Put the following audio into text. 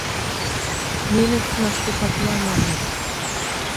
— Немец наступатла, маныт.